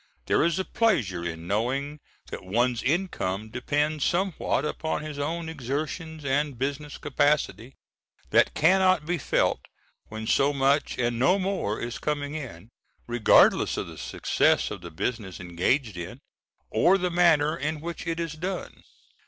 There is a pleasure in knowing that one's income depends somewhat upon his own exertions and business capacity, that cannot be felt when so much and no more is coming in, regardless of the success of the business engaged in or the manner in which it is done.